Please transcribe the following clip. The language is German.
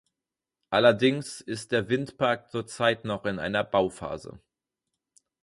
Allerdings ist der Windpark zurzeit noch in einer Bauphase.